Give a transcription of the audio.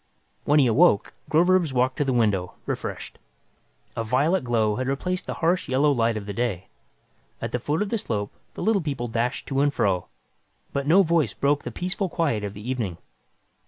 When he awoke, Groverzb walked to the window, refreshed. A violet glow had replaced the harsh yellow light of day. At the foot of the slope, the Little People dashed to and fro, but no voice broke the peaceful quiet of the evening.